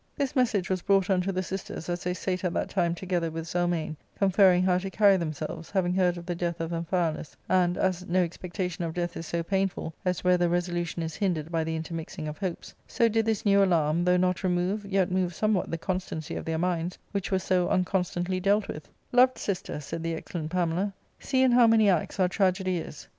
This message was brought unto the sisters as they sate at that time together with Zelmane, conferring how to carry themselves, having heard of the death of Amphialus ; and, as no expectation of deatli is so painful as where the resolution is hindered by the intermixing of hopes, so did this new alarm, though not remove, yet move somewhat the con stancy of their minds, which were so unconstantly dealt with, " Loved sister," said the excellent Pamela, " see in how many acts our tragedy is.